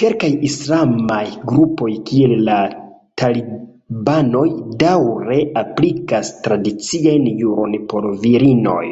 Kelkaj islamaj grupoj kiel la talibanoj daŭre aplikas tradician juron por virinoj.